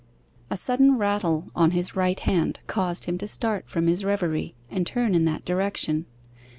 A sudden rattle on his right hand caused him to start from his reverie, and turn in that direction.